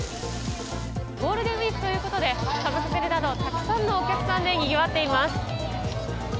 ゴールデンウィークということで、家族連れなどたくさんのお客さんでにぎわっています。